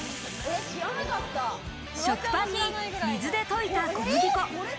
食パンに水で溶いた小麦粉。